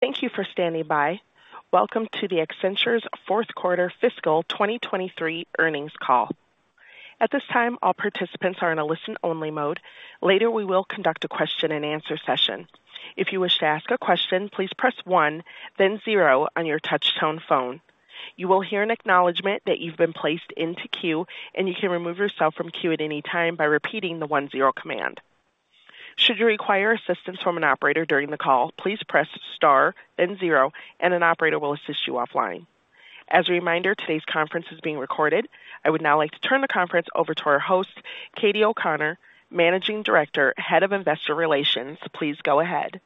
Thank you for standing by. Welcome to Accenture's fourth quarter fiscal 2023 earnings call. At this time, all participants are in a listen-only mode. Later, we will conduct a question-and-answer session. If you wish to ask a question, please press one, then zero on your touchtone phone. You will hear an acknowledgment that you've been placed into queue, and you can remove yourself from queue at any time by repeating the one-zero command. Should you require assistance from an operator during the call, please press star, then zero, and an operator will assist you offline. As a reminder, today's conference is being recorded. I would now like to turn the conference over to our host, Katie O'Conor, Managing Director, Head of Investor Relations. Please go ahead.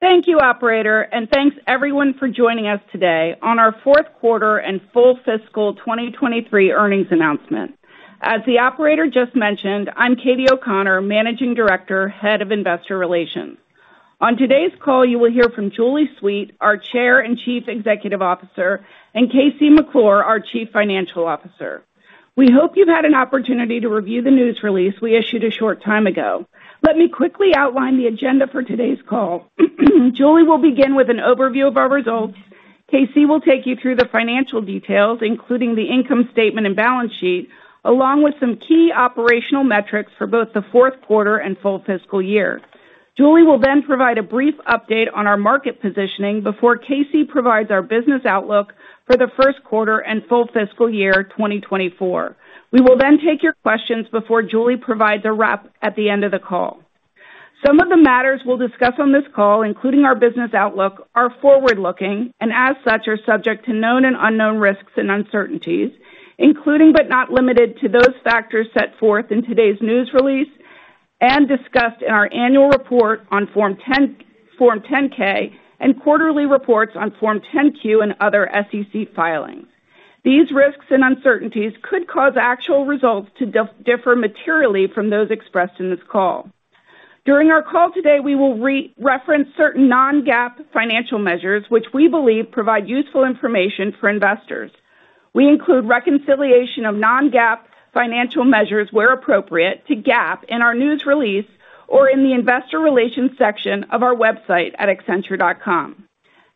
Thank you, operator, and thanks everyone for joining us today on our fourth quarter and full fiscal 2023 earnings announcement. As the operator just mentioned, I'm Katie O'Conor, Managing Director, Head of Investor Relations. On today's call, you will hear from Julie Sweet, our Chair and Chief Executive Officer, and KC McClure, our Chief Financial Officer. We hope you've had an opportunity to review the news release we issued a short time ago. Let me quickly outline the agenda for today's call. Julie will begin with an overview of our results. KC McClure will take you through the financial details, including the income statement and balance sheet, along with some key operational metrics for both the fourth quarter and full fiscal year. Julie will then provide a brief update on our market positioning before KC McClure provides our business outlook for the first quarter and full fiscal year 2024. We will then take your questions before Julie provides a wrap at the end of the call. Some of the matters we'll discuss on this call, including our business outlook, are forward-looking and as such, are subject to known and unknown risks and uncertainties, including, but not limited to, those factors set forth in today's news release and discussed in our annual report on Form 10-K and quarterly reports on Form 10-Q and other SEC filings. These risks and uncertainties could cause actual results to differ materially from those expressed in this call. During our call today, we will re-reference certain non-GAAP financial measures, which we believe provide useful information for investors. We include reconciliation of non-GAAP financial measures, where appropriate, to GAAP in our news release or in the investor relations section of our website at Accenture.com.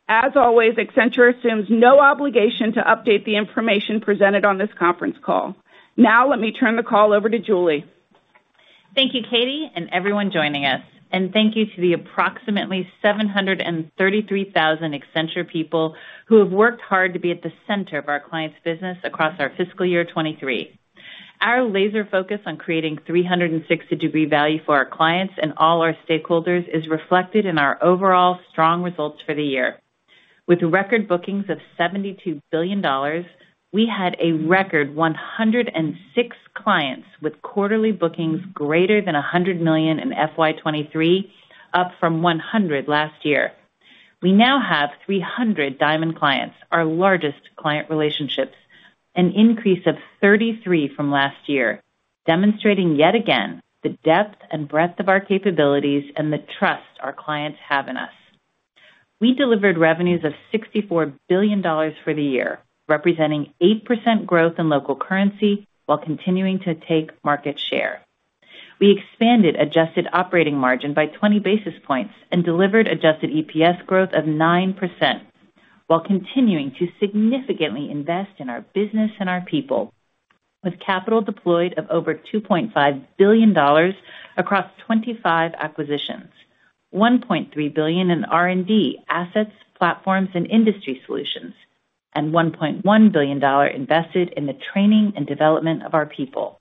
As always, Accenture assumes no obligation to update the information presented on this conference call. Now, let me turn the call over to Julie. Thank you, Katie, and everyone joining us, and thank you to the approximately 733,000 Accenture people who have worked hard to be at the center of our clients' business across our fiscal year 2023. Our laser focus on creating 360-degree value for our clients and all our stakeholders is reflected in our overall strong results for the year. With record bookings of $72 billion, we had a record 106 clients with quarterly bookings greater than $100 million in FY 2023, up from 100 last year. We now have 300 diamond clients, our largest client relationships, an increase of 33 from last year, demonstrating yet again the depth and breadth of our capabilities and the trust our clients have in us. We delivered revenues of $64 billion for the year, representing 8% growth in local currency while continuing to take market share. We expanded adjusted operating margin by 20 basis points and delivered adjusted EPS growth of 9%, while continuing to significantly invest in our business and our people, with capital deployed of over $2.5 billion across 25 acquisitions, $1.3 billion in R&D, assets, platforms, and industry solutions, and $1.1 billion invested in the training and development of our people.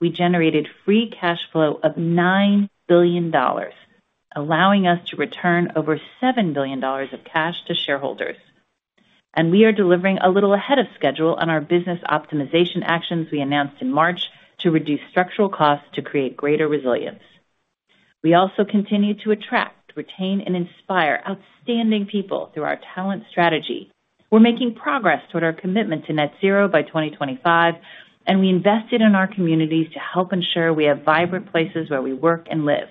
We generated free cash flow of $9 billion, allowing us to return over $7 billion of cash to shareholders. We are delivering a little ahead of schedule on our business optimization actions we announced in March to reduce structural costs to create greater resilience. We also continue to attract, retain, and inspire outstanding people through our talent strategy. We're making progress toward our commitment to net zero by 2025, and we invested in our communities to help ensure we have vibrant places where we work and live.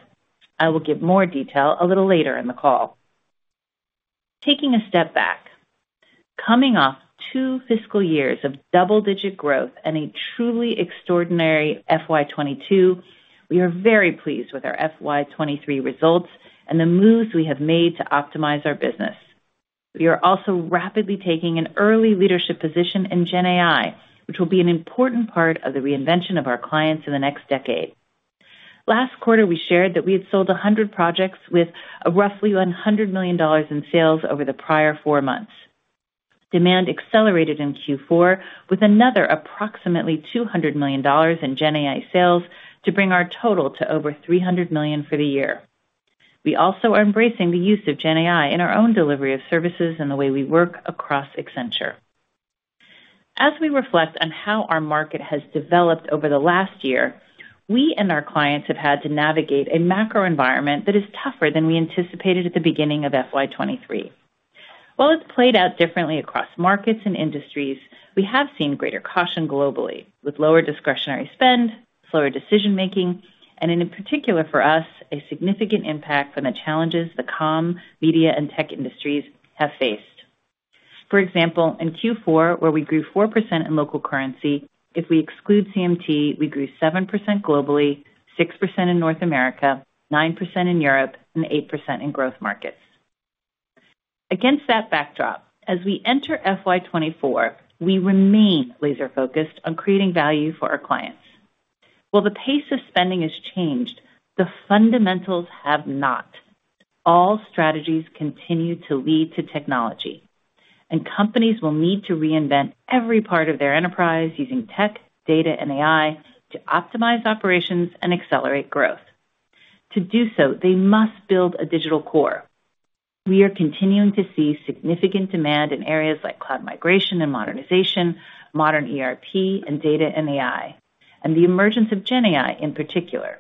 I will give more detail a little later in the call. Taking a step back, coming off two fiscal years of double-digit growth and a truly extraordinary FY 2022, we are very pleased with our FY 2023 results and the moves we have made to optimize our business. We are also rapidly taking an early leadership position in GenAI, which will be an important part of the reinvention of our clients in the next decade. Last quarter, we shared that we had sold 100 projects with roughly $100 million in sales over the prior four months. Demand accelerated in Q4 with another approximately $200 million in GenAI sales to bring our total to over $300 million for the year. We also are embracing the use of GenAI in our own delivery of services and the way we work across Accenture. As we reflect on how our market has developed over the last year, we and our clients have had to navigate a macro environment that is tougher than we anticipated at the beginning of FY 2023. While it's played out differently across markets and industries, we have seen greater caution globally, with lower discretionary spend, slower decision-making, and in particular for us, a significant impact from the challenges the comm, media, and tech industries have faced. For example, in Q4, where we grew 4% in local currency, if we exclude CMT, we grew 7% globally, 6% in North America, 9% in Europe, and 8% in growth markets. Against that backdrop, as we enter FY 2024, we remain laser-focused on creating value for our clients. While the pace of spending has changed, the fundamentals have not. All strategies continue to lead to technology, and companies will need to reinvent every part of their enterprise using tech, data, and AI to optimize operations and accelerate growth. To do so, they must build a digital core. We are continuing to see significant demand in areas like cloud migration and modernization, modern ERP, and data and AI, and the emergence of GenAI in particular,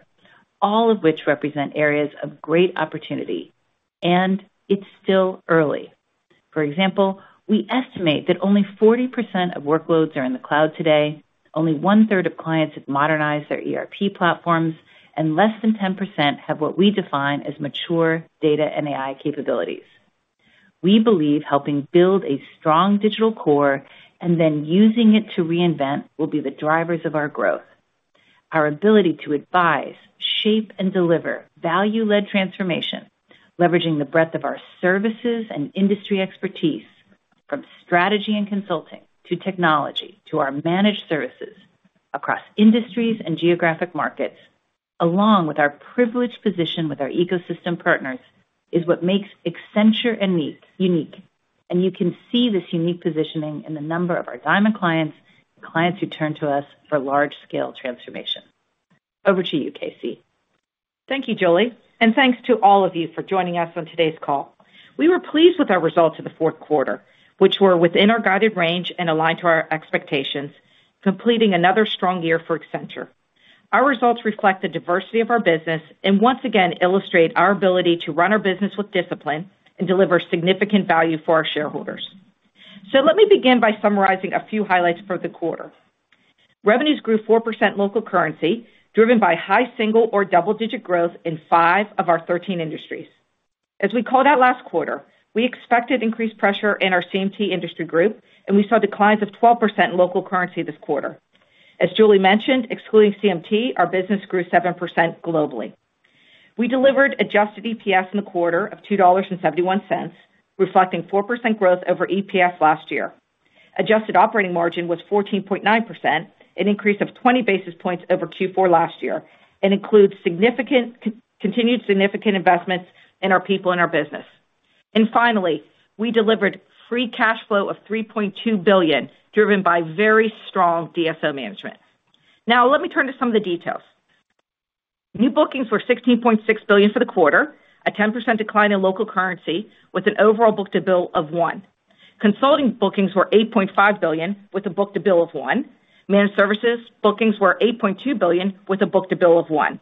all of which represent areas of great opportunity, and it's still early. For example, we estimate that only 40% of workloads are in the cloud today, only 1/3 of clients have modernized their ERP platforms, and less than 10% have what we define as mature data and AI capabilities. We believe helping build a strong digital core and then using it to reinvent will be the drivers of our growth. Our ability to advise, shape, and deliver value-led transformation, leveraging the breadth of our services and industry expertise, from strategy and consulting to technology to our managed services across industries and geographic markets, along with our privileged position with our ecosystem partners, is what makes Accenture unique, and you can see this unique positioning in the number of our diamond clients, clients who turn to us for large-scale transformation. Over to you, KC. Thank you, Julie, and thanks to all of you for joining us on today's call. We were pleased with our results in the fourth quarter, which were within our guided range and aligned to our expectations, completing another strong year for Accenture. Our results reflect the diversity of our business and once again illustrate our ability to run our business with discipline and deliver significant value for our shareholders. Let me begin by summarizing a few highlights for the quarter. Revenues grew 4% local currency, driven by high single or double-digit growth in five of our 13 industries. As we called out last quarter, we expected increased pressure in our CMT industry group, and we saw declines of 12% in local currency this quarter. As Julie mentioned, excluding CMT, our business grew 7% globally. We delivered adjusted EPS in the quarter of $2.71, reflecting 4% growth over EPS last year. Adjusted operating margin was 14.9%, an increase of 20 basis points over Q4 last year, and includes significant, continued significant investments in our people and our business. And finally, we delivered free cash flow of $3.2 billion, driven by very strong DSO management. Now, let me turn to some of the details. New bookings were $16.6 billion for the quarter, a 10% decline in local currency, with an overall book-to-bill of 1. Consulting bookings were $8.5 billion, with a book-to-bill of 1. Managed services bookings were $8.2 billion, with a book-to-bill of 1.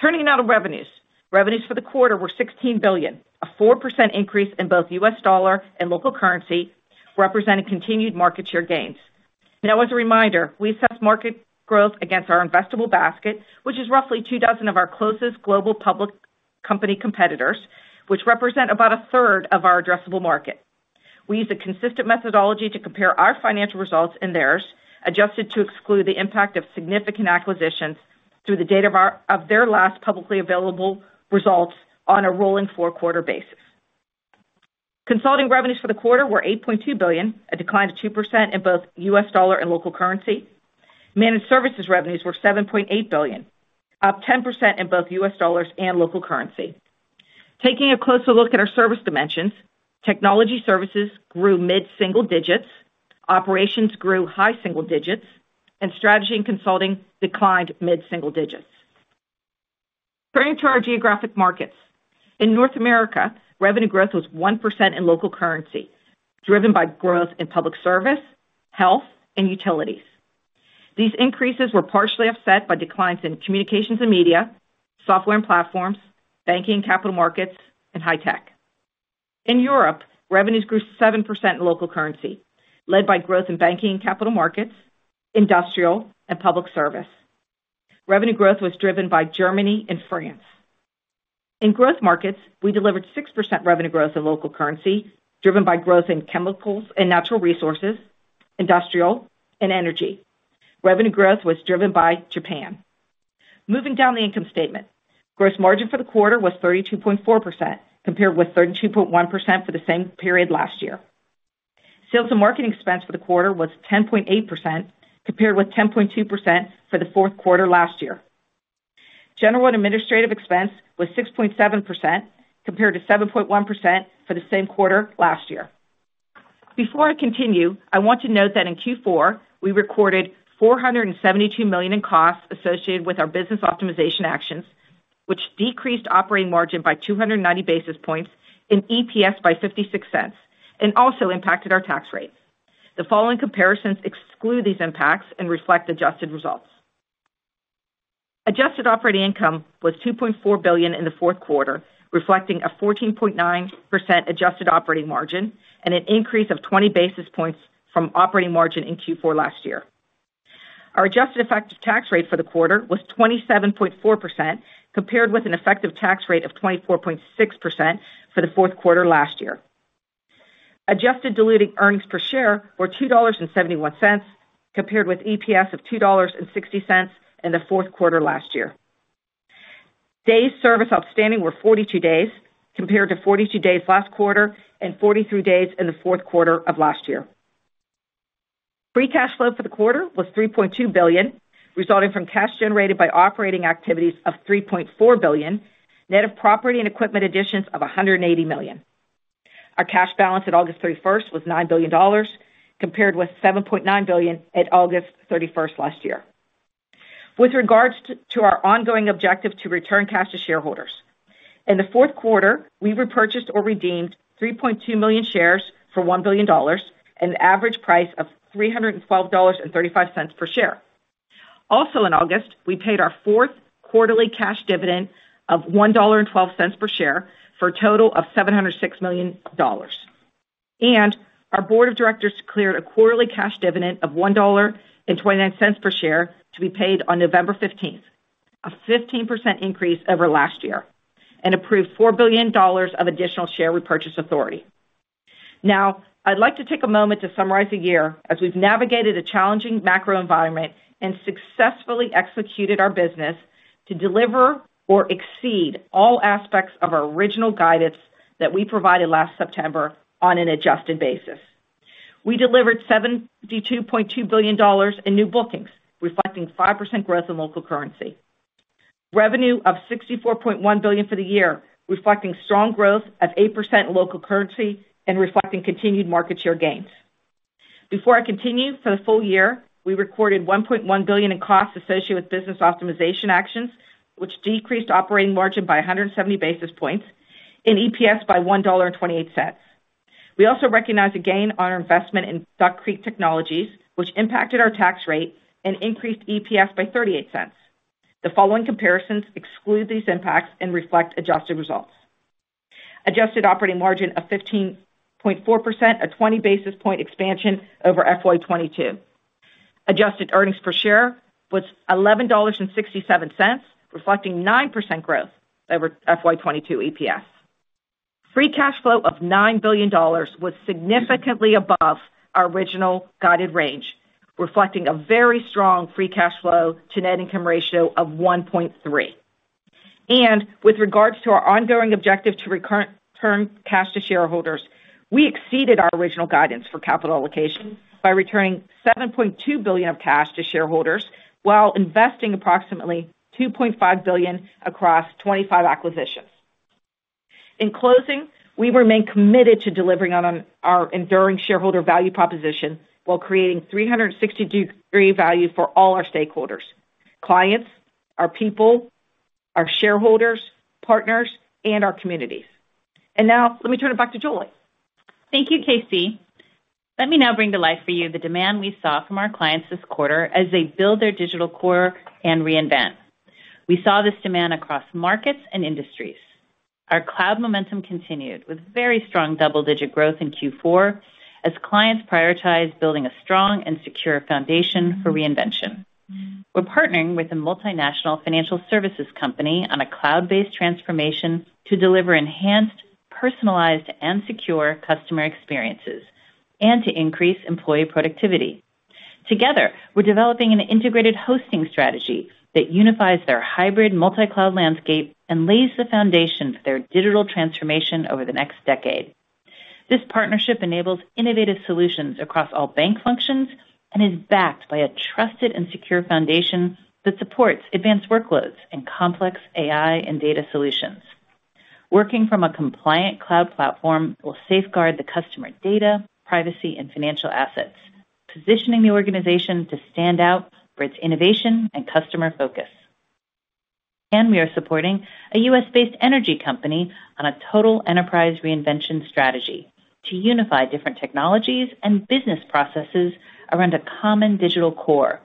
Turning now to revenues. Revenues for the quarter were $16 billion, a 4% increase in both U.S. dollar and local currency, representing continued market share gains. Now, as a reminder, we assess market growth against our investable basket, which is roughly 24 of our closest global public company competitors, which represent about 1/3 of our addressable market. We use a consistent methodology to compare our financial results and theirs, adjusted to exclude the impact of significant acquisitions through the date of their last publicly available results on a rolling four-quarter basis. Consulting revenues for the quarter were $8.2 billion, a decline of 2% in both US dollar and local currency. Managed services revenues were $7.8 billion, up 10% in both US dollars and local currency. Taking a closer look at our service dimensions, technology services grew mid-single digits, operations grew high single digits, and strategy and consulting declined mid-single digits. Turning to our geographic markets. In North America, revenue growth was 1% in local currency, driven by growth in public service, health, and utilities. These increases were partially offset by declines in communications and media, software and platforms, banking and capital markets, and high tech. In Europe, revenues grew 7% in local currency, led by growth in banking and capital markets, industrial, and public service. Revenue growth was driven by Germany and France. In growth markets, we delivered 6% revenue growth in local currency, driven by growth in chemicals and natural resources, industrial, and energy. Revenue growth was driven by Japan. Moving down the income statement. Gross margin for the quarter was 32.4%, compared with 32.1% for the same period last year. Sales and marketing expense for the quarter was 10.8%, compared with 10.2% for the fourth quarter last year. General and administrative expense was 6.7%, compared to 7.1% for the same quarter last year. Before I continue, I want to note that in Q4, we recorded $472 million in costs associated with our business optimization actions, which decreased operating margin by 290 basis points and EPS by $0.56 and also impacted our tax rates. The following comparisons exclude these impacts and reflect adjusted results. Adjusted operating income was $2.4 billion in the fourth quarter, reflecting a 14.9% adjusted operating margin and an increase of 20 basis points from operating margin in Q4 last year. Our adjusted effective tax rate for the quarter was 27.4%, compared with an effective tax rate of 24.6% for the fourth quarter last year. Adjusted dilutive earnings per share were $2.71, compared with EPS of $2.60 in the fourth quarter last year. Days sales outstanding were 42 days, compared to 42 days last quarter and 43 days in the fourth quarter of last year. Free cash flow for the quarter was $3.2 billion, resulting from cash generated by operating activities of $3.4 billion, net of property and equipment additions of $180 million. Our cash balance at August 31st was $9 billion, compared with $7.9 billion at August 31st last year. With regards to our ongoing objective to return cash to shareholders, in the fourth quarter, we repurchased or redeemed 3.2 million shares for $1 billion at an average price of $312.35 per share. Also in August, we paid our fourth quarterly cash dividend of $1.12 per share for a total of $706 million. Our board of directors declared a quarterly cash dividend of $1.29 per share to be paid on November 15th, a 15% increase over last year, and approved $4 billion of additional share repurchase authority. Now, I'd like to take a moment to summarize the year as we've navigated a challenging macro environment and successfully executed our business to deliver or exceed all aspects of our original guidance that we provided last September on an adjusted basis. We delivered $72.2 billion in new bookings, reflecting 5% growth in local currency. Revenue of $64.1 billion for the year, reflecting strong growth of 8% in local currency and reflecting continued market share gains. Before I continue, for the full year, we recorded $1.1 billion in costs associated with business optimization actions, which decreased operating margin by 170 basis points and EPS by $1.28. We also recognized a gain on our investment in Duck Creek Technologies, which impacted our tax rate and increased EPS by $0.38. The following comparisons exclude these impacts and reflect adjusted results. Adjusted operating margin of 15.4%, a 20 basis point expansion over FY 2022. Adjusted earnings per share was $11.67, reflecting 9% growth over FY 2022 EPS. Free cash flow of $9 billion was significantly above our original guided range, reflecting a very strong free cash flow to net income ratio of 1.3. And with regards to our ongoing objective to return cash to shareholders, we exceeded our original guidance for capital allocation by returning $7.2 billion of cash to shareholders while investing approximately $2.5 billion across 25 acquisitions. In closing, we remain committed to delivering on our enduring shareholder value proposition while creating 360-degree value for all our stakeholders, clients, our people, our shareholders, partners, and our communities. Now let me turn it back to Julie. Thank you, KC. Let me now bring to life for you the demand we saw from our clients this quarter as they build their digital core and reinvent. We saw this demand across markets and industries. Our cloud momentum continued with very strong double-digit growth in Q4 as clients prioritized building a strong and secure foundation for reinvention. We're partnering with a multinational financial services company on a cloud-based transformation to deliver enhanced, personalized, and secure customer experiences and to increase employee productivity. Together, we're developing an integrated hosting strategy that unifies their hybrid multi-cloud landscape and lays the foundation for their digital transformation over the next decade. This partnership enables innovative solutions across all bank functions and is backed by a trusted and secure foundation that supports advanced workloads and complex AI and data solutions. Working from a compliant cloud platform will safeguard the customer data, privacy, and financial assets, positioning the organization to stand out for its innovation and customer focus. We are supporting a US-based energy company on a total enterprise reinvention strategy to unify different technologies and business processes around a common digital core.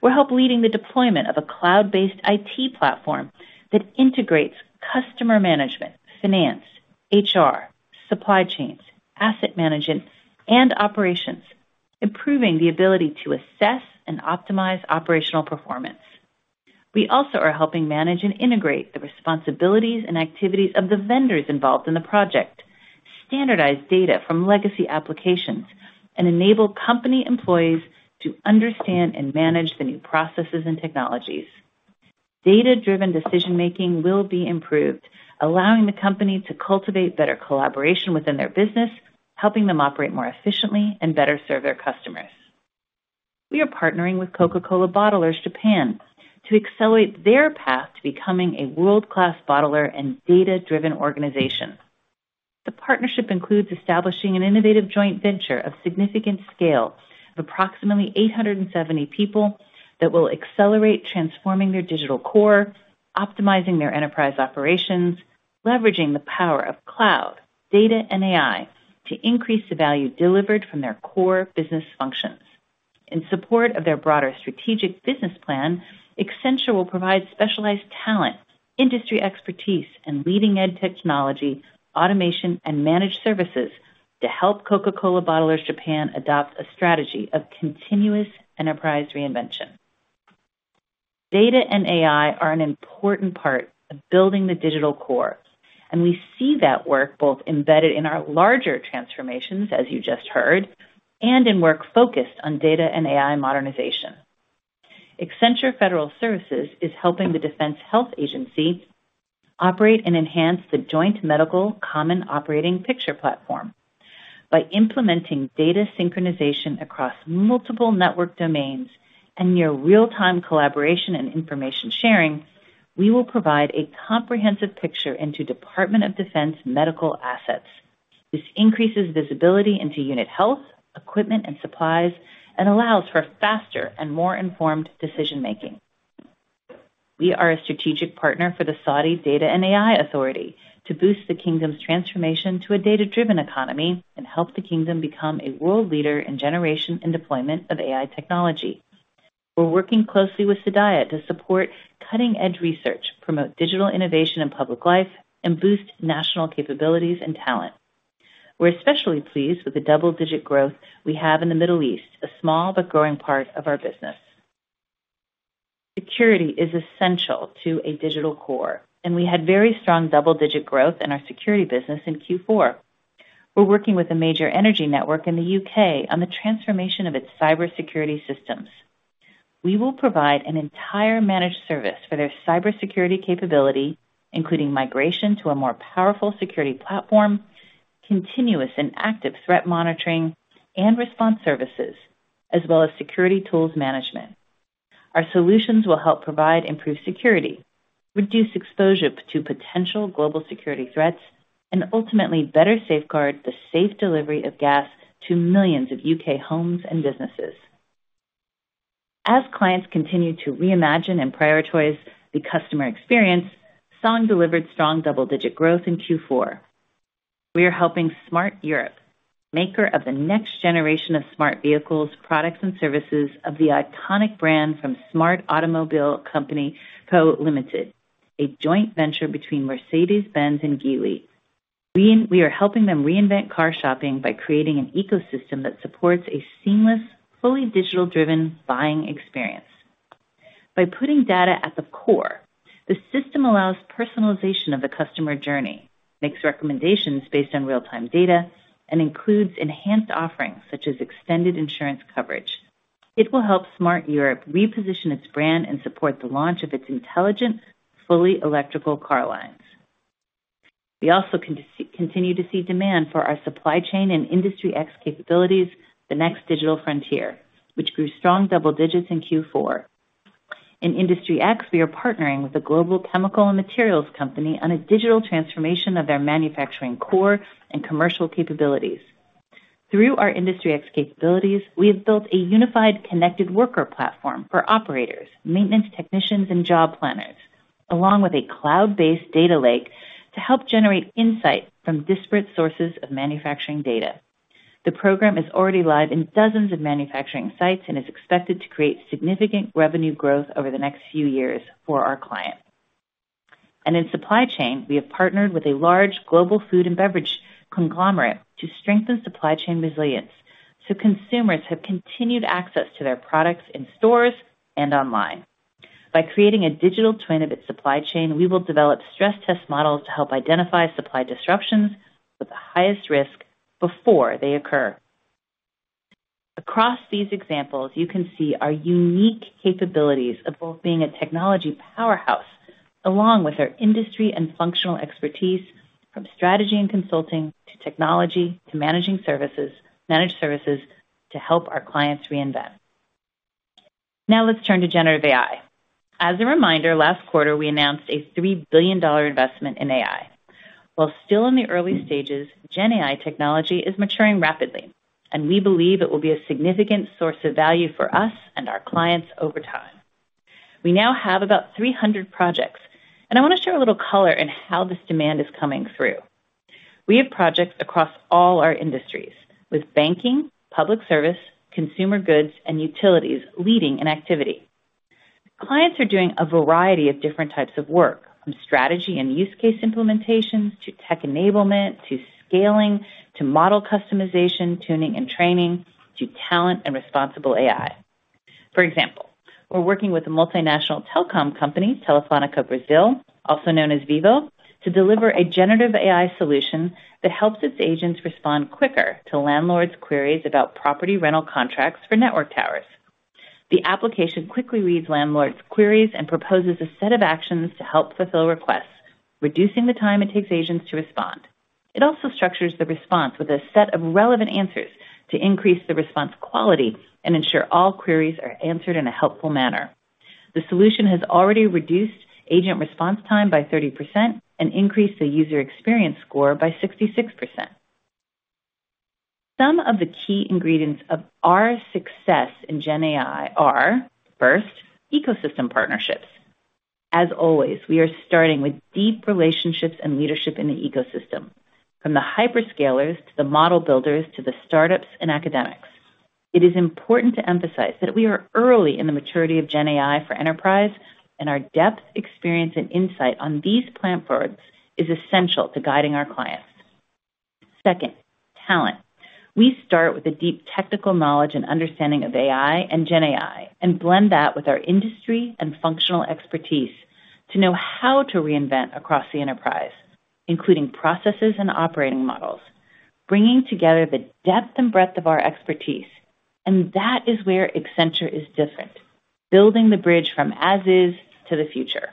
We're helping lead the deployment of a cloud-based IT platform that integrates customer management, finance, HR, supply chains, asset management, and operations, improving the ability to assess and optimize operational performance. We also are helping manage and integrate the responsibilities and activities of the vendors involved in the project, standardize data from legacy applications, and enable company employees to understand and manage the new processes and technologies. Data-driven decision-making will be improved, allowing the company to cultivate better collaboration within their business, helping them operate more efficiently and better serve their customers. We are partnering with Coca-Cola Bottlers Japan to accelerate their path to becoming a world-class bottler and data-driven organization. The partnership includes establishing an innovative joint venture of significant scale of approximately 870 people that will accelerate transforming their digital core, optimizing their enterprise operations, leveraging the power of cloud, data, and AI to increase the value delivered from their core business functions. In support of their broader strategic business plan, Accenture will provide specialized talent, industry expertise and leading-edge technology, automation, and managed services to help Coca-Cola Bottlers Japan adopt a strategy of continuous enterprise reinvention. Data and AI are an important part of building the digital core, and we see that work both embedded in our larger transformations, as you just heard, and in work focused on data and AI modernization. Accenture Federal Services is helping the Defense Health Agency operate and enhance the Joint Medical Common Operating Picture platform. By implementing data synchronization across multiple network domains, and near real-time collaboration and information sharing, we will provide a comprehensive picture into Department of Defense medical assets. This increases visibility into unit health, equipment, and supplies and allows for faster and more informed decision-making. We are a strategic partner for the Saudi Data and AI Authority to boost the kingdom's transformation to a data-driven economy and help the kingdom become a world leader in generation and deployment of AI technology. We're working closely with SDAIA to support cutting-edge research, promote digital innovation in public life, and boost national capabilities and talent. We're especially pleased with the double-digit growth we have in the Middle East, a small but growing part of our business. Security is essential to a digital core, and we had very strong double-digit growth in our security business in Q4. We're working with a major energy network in the U.K. on the transformation of its cybersecurity systems. We will provide an entire managed service for their cybersecurity capability, including migration to a more powerful security platform, continuous and active threat monitoring, and response services, as well as security tools management. Our solutions will help provide improved security, reduce exposure to potential global security threats, and ultimately better safeguard the safe delivery of gas to millions of UK homes and businesses. As clients continue to reimagine and prioritize the customer experience, Song delivered strong double-digit growth in Q4. We are helping Smart Europe, maker of the next generation of smart vehicles, products, and services of the iconic brand from Smart Automobile Company Co, Limited, a joint venture between Mercedes-Benz and Geely. We are helping them reinvent car shopping by creating an ecosystem that supports a seamless, fully digital-driven buying experience. By putting data at the core, the system allows personalization of the customer journey, makes recommendations based on real-time data, and includes enhanced offerings such as extended insurance coverage. It will help Smart Europe reposition its brand and support the launch of its intelligent, fully electrical car lines. We also continue to see demand for our supply chain and Industry X capabilities, the next digital frontier, which grew strong double digits in Q4. In Industry X, we are partnering with a global chemical and materials company on a digital transformation of their manufacturing core and commercial capabilities. Through our Industry X capabilities, we have built a unified, connected worker platform for operators, maintenance technicians, and job planners, along with a cloud-based data lake to help generate insight from disparate sources of manufacturing data. The program is already live in dozens of manufacturing sites and is expected to create significant revenue growth over the next few years for our client. In supply chain, we have partnered with a large global food and beverage conglomerate to strengthen supply chain resilience so consumers have continued access to their products in stores and online. By creating a digital twin of its supply chain, we will develop stress test models to help identify supply disruptions with the highest risk before they occur. Across these examples, you can see our unique capabilities of both being a technology powerhouse, along with our industry and functional expertise, from strategy and consulting to technology to managed services to help our clients reinvent. Now let's turn to Generative AI. As a reminder, last quarter, we announced a $3 billion investment in AI. While still in the early stages, GenAI technology is maturing rapidly, and we believe it will be a significant source of value for us and our clients over time. We now have about 300 projects, and I want to share a little color in how this demand is coming through. We have projects across all our industries, with banking, public service, consumer goods, and utilities leading in activity. Clients are doing a variety of different types of work, from strategy and use case implementations to tech enablement to scaling, to model customization, tuning and training, to talent and responsible AI. For example, we're working with a multinational telecom company, Telefónica Brasil, also known as Vivo, to deliver a Generative AI solution that helps its agents respond quicker to landlords' queries about property rental contracts for network towers. The application quickly reads landlords' queries and proposes a set of actions to help fulfill requests, reducing the time it takes agents to respond. It also structures the response with a set of relevant answers to increase the response quality and ensure all queries are answered in a helpful manner. The solution has already reduced agent response time by 30% and increased the user experience score by 66%. Some of the key ingredients of our success in GenAI are, first, ecosystem partnerships. As always, we are starting with deep relationships and leadership in the ecosystem, from the hyperscalers to the model builders to the startups and academics. It is important to emphasize that we are early in the maturity of GenAI for enterprise, and our depth, experience, and insight on these platforms is essential to guiding our clients. Second, talent. We start with a deep technical knowledge and understanding of AI and GenAI, and blend that with our industry and functional expertise to know how to reinvent across the enterprise, including processes and operating models, bringing together the depth and breadth of our expertise, and that is where Accenture is different, building the bridge from as is to the future.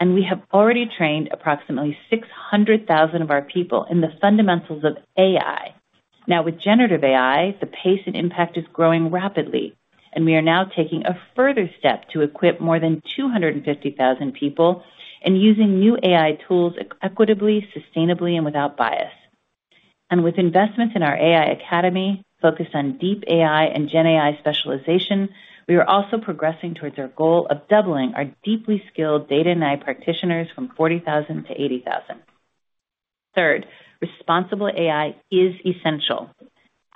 And we have already trained approximately 600,000 of our people in the fundamentals of AI. Now, with Generative AI, the pace and impact is growing rapidly, and we are now taking a further step to equip more than 250,000 people in using new AI tools equitably, sustainably, and without bias. And with investments in our AI academy focused on deep AI and GenAI specialization, we are also progressing towards our goal of doubling our deeply skilled data and AI practitioners from 40,000 to 80,000. Third, responsible AI is essential.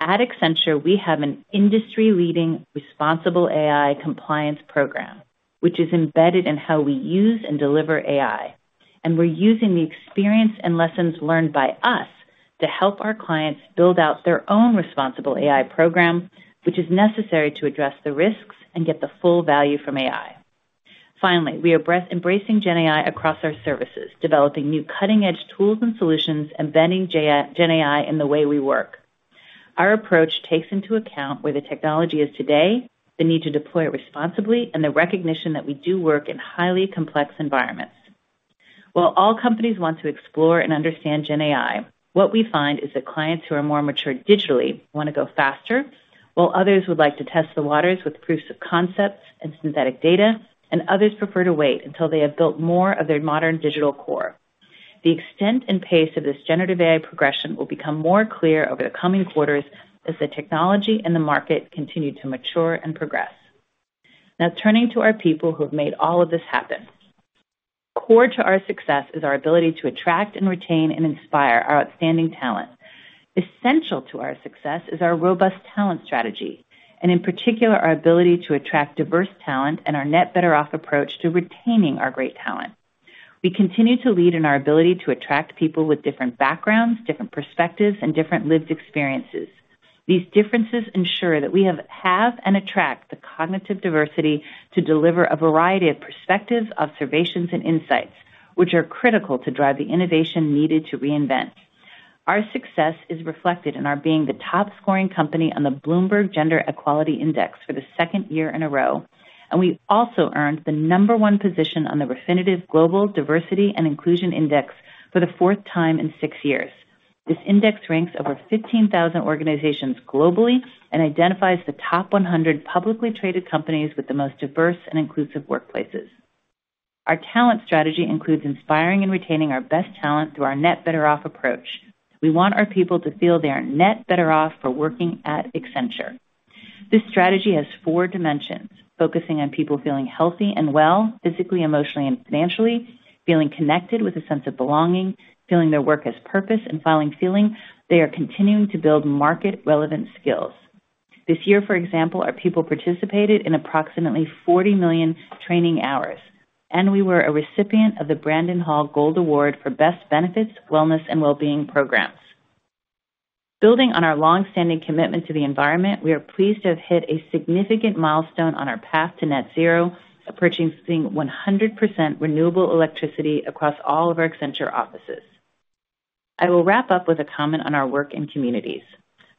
At Accenture, we have an industry-leading responsible AI compliance program, which is embedded in how we use and deliver AI, and we're using the experience and lessons learned by us to help our clients build out their own responsible AI program, which is necessary to address the risks and get the full value from AI. Finally, we are embracing GenAI across our services, developing new cutting-edge tools and solutions and embedding GenAI in the way we work. Our approach takes into account where the technology is today, the need to deploy it responsibly, and the recognition that we do work in highly complex environments. While all companies want to explore and understand GenAI, what we find is that clients who are more mature digitally want to go faster, while others would like to test the waters with proofs of concepts and synthetic data, and others prefer to wait until they have built more of their modern digital core. The extent and pace of this Generative AI progression will become more clear over the coming quarters as the technology and the market continue to mature and progress. Now turning to our people who have made all of this happen. Core to our success is our ability to attract and retain and inspire our outstanding talent. Essential to our success is our robust talent strategy, and in particular, our ability to attract diverse talent and our net better off approach to retaining our great talent. We continue to lead in our ability to attract people with different backgrounds, different perspectives, and different lived experiences. These differences ensure that we have and attract the cognitive diversity to deliver a variety of perspectives, observations, and insights, which are critical to drive the innovation needed to reinvent. Our success is reflected in our being the top-scoring company on the Bloomberg Gender Equality Index for the second year in a row, and we also earned the number one position on the Refinitiv Global Diversity and Inclusion Index for the fourth time in six years. This index ranks over 15,000 organizations globally and identifies the top 100 publicly traded companies with the most diverse and inclusive workplaces. Our talent strategy includes inspiring and retaining our best talent through our net better off approach. We want our people to feel they are net better off for working at Accenture. This strategy has four dimensions, focusing on people feeling healthy and well, physically, emotionally, and financially, feeling connected with a sense of belonging, feeling their work has purpose, and finally, feeling they are continuing to build market-relevant skills. This year, for example, our people participated in approximately 40 million training hours, and we were a recipient of the Brandon Hall Gold Award for Best Benefits, Wellness and Wellbeing Programs. Building on our long-standing commitment to the environment, we are pleased to have hit a significant milestone on our path to net zero, purchasing 100% renewable electricity across all of our Accenture offices. I will wrap up with a comment on our work in communities.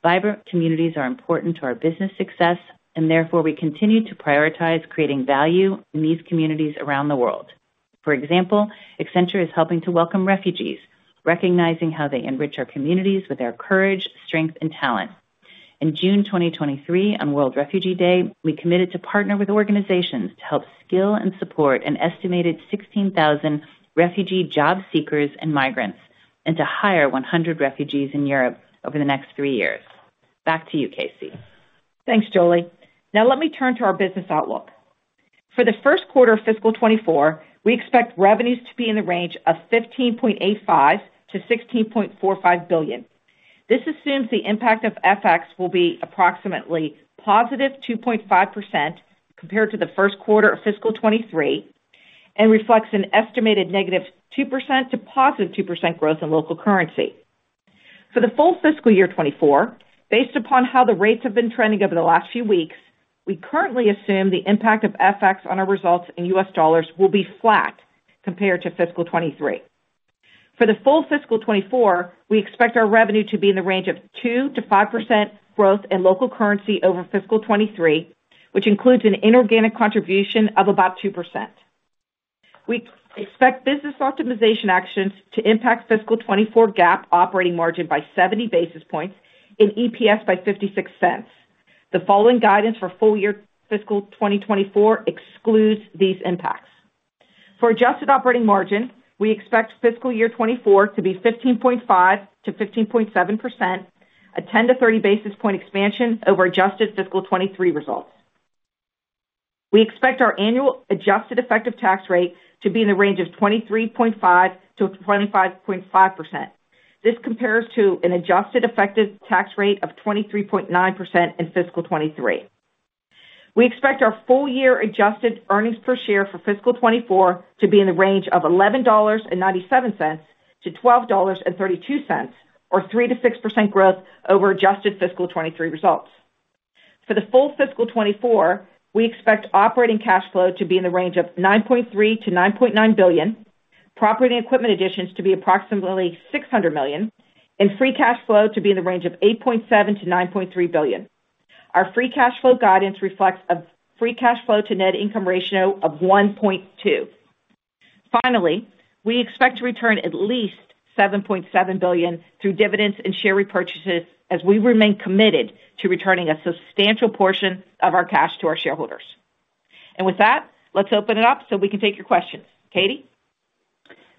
Vibrant communities are important to our business success, and therefore we continue to prioritize creating value in these communities around the world. For example, Accenture is helping to welcome refugees, recognizing how they enrich our communities with their courage, strength, and talent. In June 2023, on World Refugee Day, we committed to partner with organizations to help skill and support an estimated 16,000 refugee job seekers and migrants, and to hire 100 refugees in Europe over the next three years. Back to you, KC. Thanks, Julie. Now let me turn to our business outlook. For the first quarter of fiscal 2024, we expect revenues to be in the range of $15.85 billion-$16.45 billion. This assumes the impact of FX will be approximately +2.5% compared to the first quarter of fiscal 2023, and reflects an estimated -2% to +2% growth in local currency. For the full fiscal year 2024, based upon how the rates have been trending over the last few weeks, we currently assume the impact of FX on our results in U.S. dollars will be flat compared to fiscal 2023. For the full fiscal 2024, we expect our revenue to be in the range of 2%-5% growth in local currency over fiscal 2023, which includes an inorganic contribution of about 2%. We expect business optimization actions to impact fiscal 2024 GAAP operating margin by 70 basis points and EPS by $0.56. The following guidance for full year fiscal 2024 excludes these impacts. For adjusted operating margin, we expect fiscal year 2024 to be 15.5%-15.7%, a 10-30 basis point expansion over adjusted fiscal 2023 results. We expect our annual adjusted effective tax rate to be in the range of 23.5%-25.5%. This compares to an adjusted effective tax rate of 23.9% in fiscal 2023. We expect our full year adjusted earnings per share for fiscal 2024 to be in the range of $11.97-$12.32, or 3%-6% growth over adjusted fiscal 2023 results. For the full fiscal 2024, we expect operating cash flow to be in the range of $9.3 billion-$9.9 billion, property and equipment additions to be approximately $600 million, and free cash flow to be in the range of $8.7 billion-$9.3 billion. Our free cash flow guidance reflects a free cash flow to net income ratio of 1.2. Finally, we expect to return at least $7.7 billion through dividends and share repurchases as we remain committed to returning a substantial portion of our cash to our shareholders. And with that, let's open it up so we can take your questions. Katie?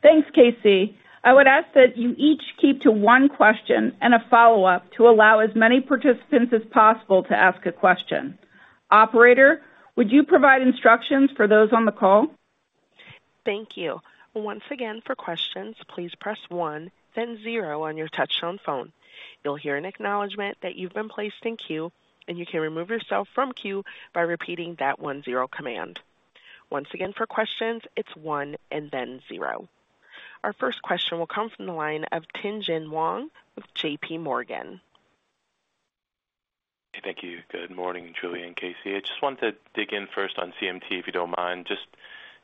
Thanks, KC. I would ask that you each keep to one question and a follow-up to allow as many participants as possible to ask a question. Operator, would you provide instructions for those on the call? Thank you. Once again, for questions, please press one, then zero on your touchtone phone. You'll hear an acknowledgment that you've been placed in queue, and you can remove yourself from queue by repeating that one-zero command. Once again, for questions, it's one and then zero. Our first question will come from the line of Tien-Tsin Huang with JPMorgan. Thank you. Good morning, Julie and KC. I just wanted to dig in first on CMT, if you don't mind. Just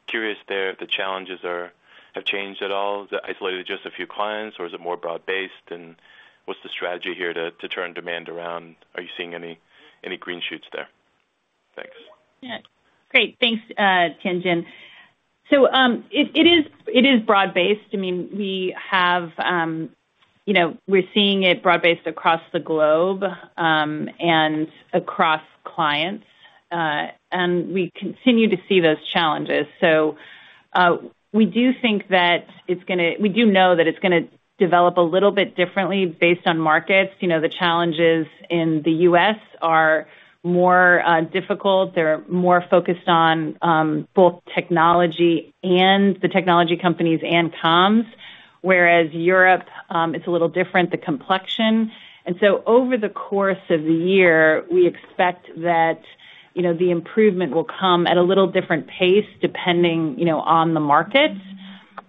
curious there if the challenges are, have changed at all, is it isolated to just a few clients, or is it more broad-based? And what's the strategy here to turn demand around? Are you seeing any green shoots there? Thanks. Yeah. Great, thanks, Tien-Tsin. So, it is broad-based. I mean, we have, you know, we're seeing it broad-based across the globe, and across clients, and we continue to see those challenges. So, we do think that it's gonna—we do know that it's gonna develop a little bit differently based on markets. You know, the challenges in the U.S. are more difficult. They're more focused on, both technology and the technology companies and comms, whereas Europe, it's a little different, the complexion. And so over the course of the year, we expect that, you know, the improvement will come at a little different pace, depending, you know, on the markets.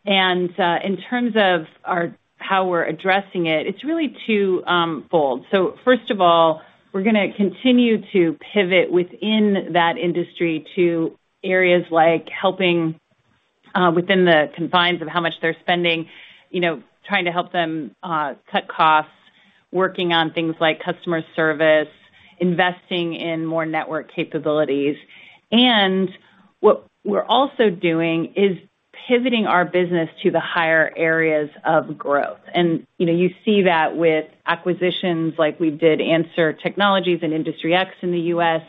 And, in terms of our, how we're addressing it, it's really two, fold. So first of all, we're gonna continue to pivot within that industry to areas like helping, within the confines of how much they're spending, you know, trying to help them, cut costs, working on things like customer service, investing in more network capabilities. And what we're also doing is pivoting our business to the higher areas of growth. And, you know, you see that with acquisitions like we did Anser Technologies and Industry X in the U.S.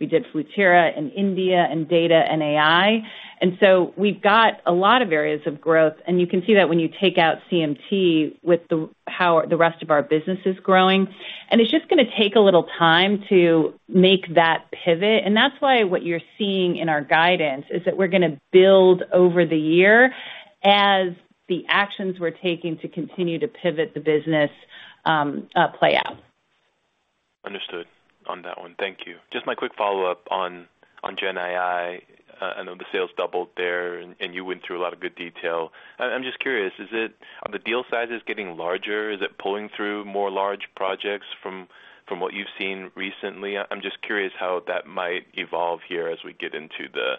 We did Flutura in India, and Data, and AI. And so we've got a lot of areas of growth, and you can see that when you take out CMT with the, how the rest of our business is growing. It's just gonna take a little time to make that pivot, and that's why what you're seeing in our guidance is that we're gonna build over the year as the actions we're taking to continue to pivot the business, play out. Understood on that one. Thank you. Just my quick follow-up on, on GenAI. I know the sales doubled there, and, and you went through a lot of good detail. I, I'm just curious, is it, are the deal sizes getting larger? Is it pulling through more large projects from, from what you've seen recently? I'm just curious how that might evolve here as we get into the,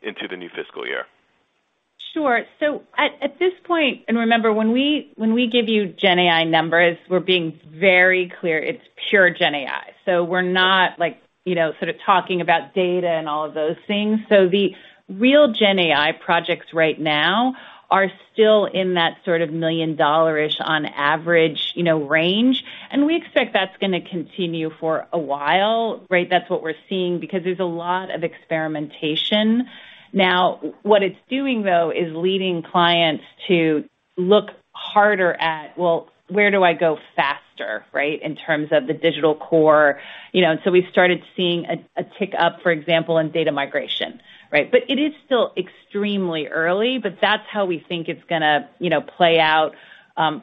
into the new fiscal year. Sure. So at this point, and remember, when we give you GenAI numbers, we're being very clear it's pure GenAI. So we're not like, you know, sort of talking about data and all of those things. So the real GenAI projects right now are still in that sort of $1 million-ish on average, you know, range, and we expect that's gonna continue for a while, right? That's what we're seeing, because there's a lot of experimentation. Now, what it's doing, though, is leading clients to look harder at, well, where do I go faster, right, in terms of the digital core? You know, and so we've started seeing a tick up, for example, in data migration, right? But it is still extremely early, but that's how we think it's gonna, you know, play out,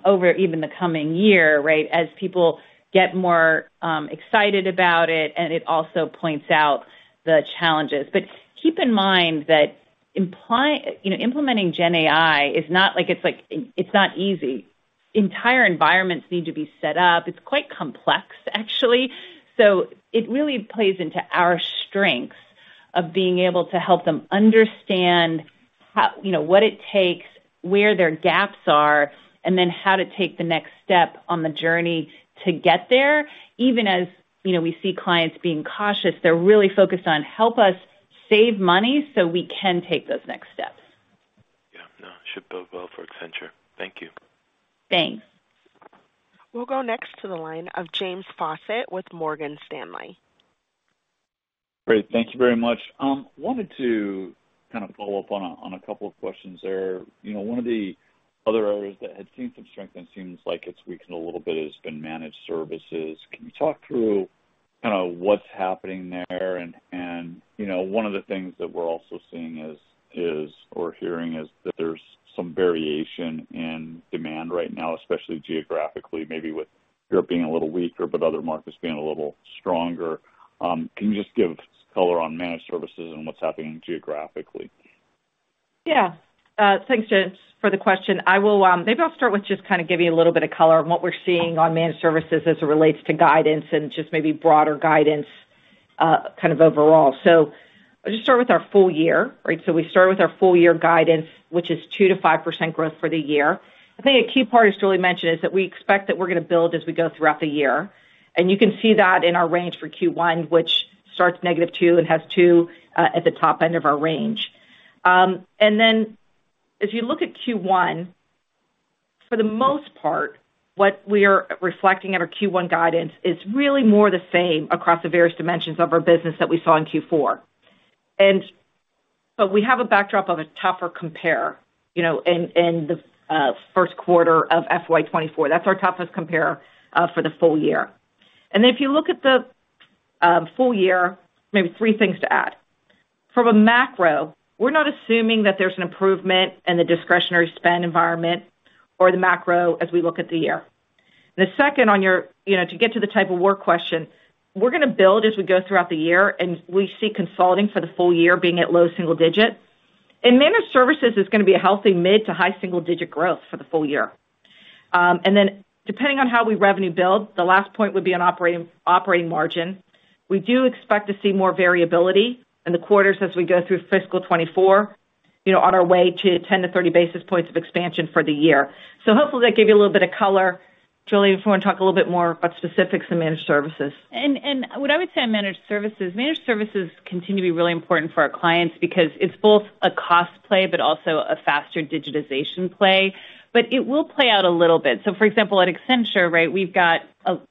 over even the coming year, right? As people get more excited about it, and it also points out the challenges. But keep in mind that implementing GenAI is not like, it's like. It's not easy. Entire environments need to be set up. It's quite complex, actually. So it really plays into our strengths of being able to help them understand how, you know, what it takes, where their gaps are, and then how to take the next step on the journey to get there. Even as, you know, we see clients being cautious, they're really focused on: Help us save money so we can take those next steps. Yeah, no, should bode well for Accenture. Thank you. Thanks. We'll go next to the line of James Faucette with Morgan Stanley. Great. Thank you very much. Wanted to kind of follow up on a couple of questions there. You know, one of the other areas that had seen some strength and it seems like it's weakened a little bit, has been managed services. Can you talk through kind of what's happening there? And, you know, one of the things that we're also seeing or hearing is that there's some variation in demand right now, especially geographically, maybe with Europe being a little weaker, but other markets being a little stronger. Can you just give color on managed services and what's happening geographically? Yeah. Thanks, James, for the question. I will maybe I'll start with just kind of giving you a little bit of color on what we're seeing on managed services as it relates to guidance and just maybe broader guidance, kind of overall. So I'll just start with our full year, right? So we start with our full year guidance, which is 2%-5% growth for the year. I think a key part, as Julie mentioned, is that we expect that we're going to build as we go throughout the year, and you can see that in our range for Q1, which starts -2% and has 2%, at the top end of our range. And then if you look at Q1, for the most part, what we are reflecting at our Q1 guidance is really more the same across the various dimensions of our business that we saw in Q4. But we have a backdrop of a tougher compare, you know, in the first quarter of FY 2024. That's our toughest compare for the full year. Then if you look at the full year, maybe three things to add. From a macro, we're not assuming that there's an improvement in the discretionary spend environment or the macro as we look at the year. The second on your, you know, to get to the type of work question, we're gonna build as we go throughout the year, and we see consulting for the full year being at low single digit. In managed services, it's gonna be a healthy mid- to high-single-digit growth for the full year. And then depending on how we revenue build, the last point would be on operating, operating margin. We do expect to see more variability in the quarters as we go through fiscal 2024, you know, on our way to 10-30 basis points of expansion for the year. So hopefully that gave you a little bit of color. Julie, if you want to talk a little bit more about specifics in managed services. What I would say on managed services, managed services continue to be really important for our clients because it's both a cost play but also a faster digitization play. But it will play out a little bit. So for example, at Accenture, right, we've got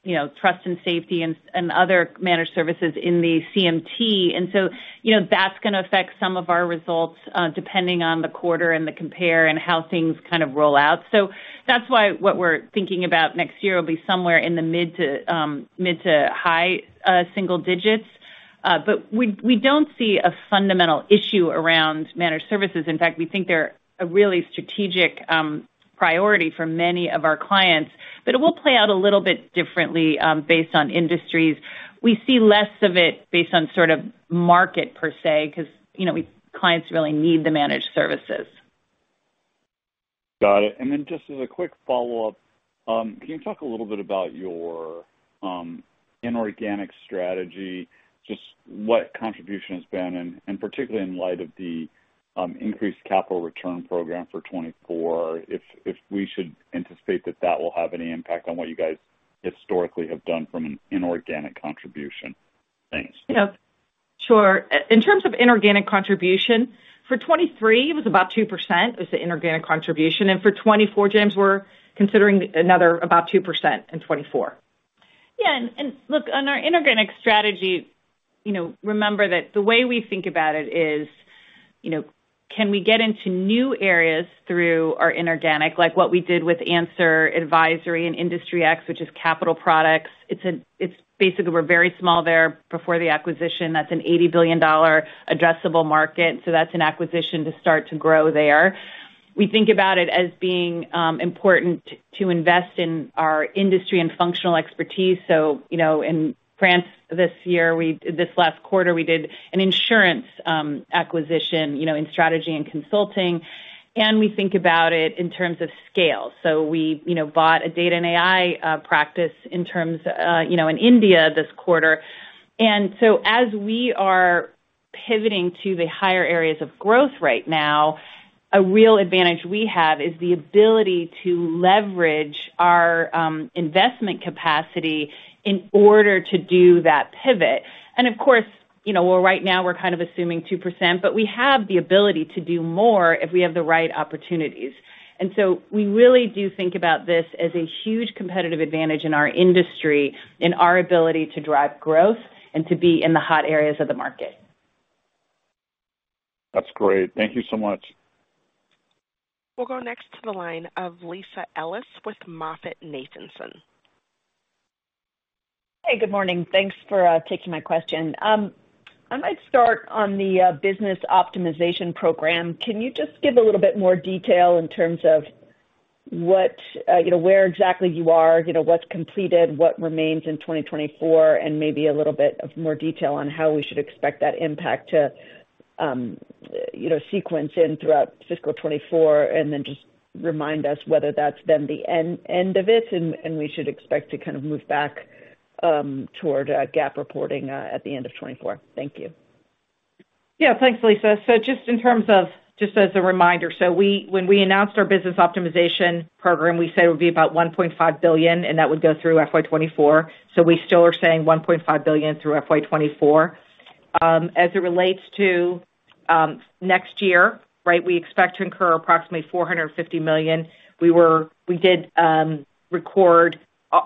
you know, trust and safety and other managed services in the CMT. And so, you know, that's going to affect some of our results, depending on the quarter and the compare and how things kind of roll out. So that's why what we're thinking about next year will be somewhere in the mid to mid to high single digits. But we don't see a fundamental issue around managed services. In fact, we think they're a really strategic priority for many of our clients. But it will play out a little bit differently, based on industries. We see less of it based on sort of market per se, because, you know, we... clients really need the managed services. Got it. And then just as a quick follow-up, can you talk a little bit about your inorganic strategy, just what contribution has been, and, and particularly in light of the increased capital return program for 2024, if, if we should anticipate that that will have any impact on what you guys historically have done from an inorganic contribution? Thanks. Yeah, sure. In terms of inorganic contribution, for 2023, it was about 2% was the inorganic contribution, and for 2024, James, we're considering another about 2% in 2024. Yeah, and look, on our inorganic strategy, you know, remember that the way we think about it is, you know, can we get into new areas through our inorganic, like what we did with Anser Advisory and Industry X, which is capital products? It's basically, we're very small there. Before the acquisition, that's an $80 billion addressable market, so that's an acquisition to start to grow there. We think about it as being important to invest in our industry and functional expertise. So, you know, in France this year, this last quarter, we did an insurance acquisition, you know, in strategy and consulting, and we think about it in terms of scale. So we, you know, bought a data and AI practice in terms, you know, in India this quarter. As we are pivoting to the higher areas of growth right now, a real advantage we have is the ability to leverage our investment capacity in order to do that pivot. And of course, you know, well, right now we're kind of assuming 2%, but we have the ability to do more if we have the right opportunities. And so we really do think about this as a huge competitive advantage in our industry, in our ability to drive growth and to be in the hot areas of the market. That's great. Thank you so much. We'll go next to the line of Lisa Ellis with MoffettNathanson. Hey, good morning. Thanks for taking my question. I might start on the business optimization program. Can you just give a little bit more detail in terms of what, you know, where exactly you are, you know, what's completed, what remains in 2024, and maybe a little bit more detail on how we should expect that impact to, you know, sequence in throughout fiscal 2024? And then just remind us whether that's then the end, end of it, and we should expect to kind of move back toward GAAP reporting at the end of 2024. Thank you. Yeah. Thanks, Lisa. So just in terms of just as a reminder, so when we announced our business optimization program, we said it would be about $1.5 billion, and that would go through FY 2024. So we still are saying $1.5 billion through FY 2024. As it relates to next year, right, we expect to incur approximately $450 million. We did record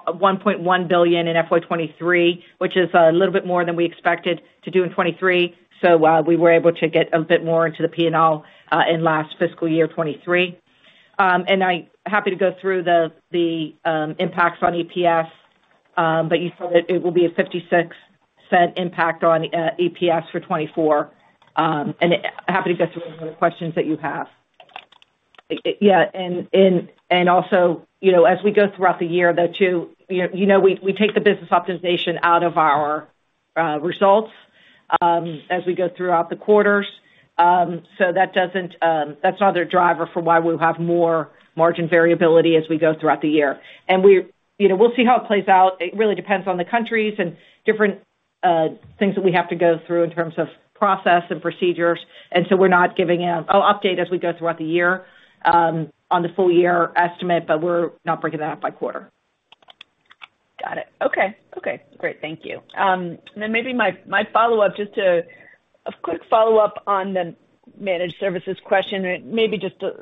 $1.1 billion in FY 2023, which is a little bit more than we expected to do in 2023. So we were able to get a bit more into the P&L in last fiscal year, 2023. And I'm happy to go through the impacts on EPS. But you said that it will be a $0.56 impact on EPS for 2024. I'm happy to get to any other questions that you have. Yeah, and also, you know, as we go throughout the year, though, too, you know, we take the business optimization out of our results as we go throughout the quarters. So that doesn't, that's another driver for why we'll have more margin variability as we go throughout the year. And you know, we'll see how it plays out. It really depends on the countries and different things that we have to go through in terms of process and procedures, and so we're not giving out... I'll update as we go throughout the year on the full year estimate, but we're not breaking that out by quarter. Got it. Okay. Okay, great. Thank you. Then maybe my follow-up, just to a quick follow-up on the managed services question, and maybe just a